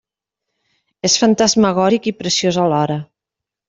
És fantasmagòric i preciós alhora.